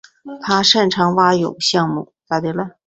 他擅长蛙泳项目。